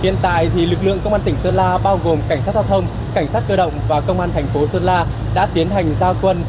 hiện tại lực lượng công an tỉnh sơn la bao gồm cảnh sát giao thông cảnh sát cơ động và công an thành phố sơn la đã tiến hành gia quân